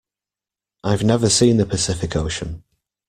I've never seen the Pacific Ocean.